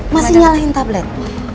masih nyalahin tablet